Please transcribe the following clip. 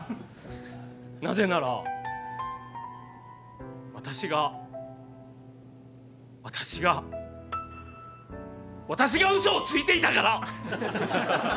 なぜなら私が私が私がうそをついていたから！